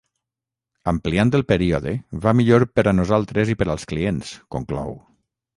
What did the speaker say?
Ampliant el període, va millor per a nosaltres i per als clients, conclou.